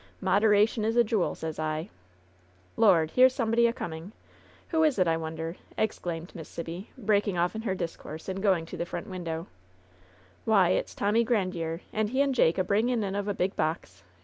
Moderation is a jewel, sez I ! Lord 1 here's somebody a coming ! Who is it, I wonder ?" exclaimed Miss Sibby, breaking off in her discourse and going to the front window, ^^hy, it's Tommy Grandiere ! And he and Jake a bringin' in of a big box